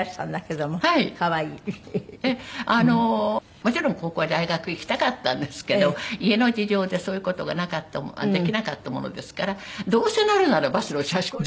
もちろん高校や大学行きたかったんですけど家の事情でそういう事ができなかったものですからどうせなるならバスの車掌に。